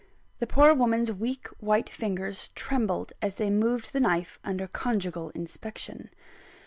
The poor woman's weak white fingers trembled as they moved the knife under conjugal inspection.